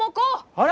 あれ？